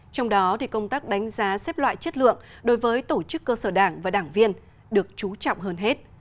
trong đó công tác đánh giá xếp loại chất lượng đối với tổ chức cơ sở đảng và đảng viên được trú trọng hơn hết